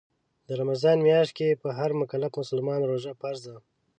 د رمضان میاشت کې په هر مکلف مسلمان روژه فرض ده